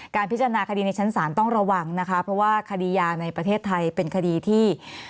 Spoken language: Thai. พิจารณาคดีในชั้นศาลต้องระวังนะคะเพราะว่าคดียาในประเทศไทยเป็นคดีที่